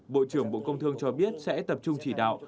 bộ trưởng bộ công thương cho biết sẽ tập trung chỉ đạo